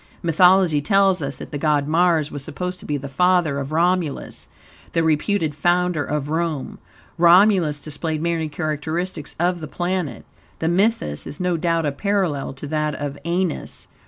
Mythology tells us that the god Mars was supposed to be the father of Romulus, the reputed founder of Rome. Romulus displayed many characteristics of the planet. The mythos is no doubt a parallel to that of Aeneas.